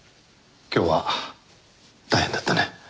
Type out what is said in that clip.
今日は大変だったね。